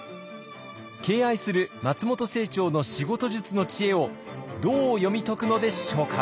敬愛する松本清張の仕事術の知恵をどう読み解くのでしょうか。